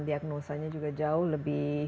diagnosanya juga jauh lebih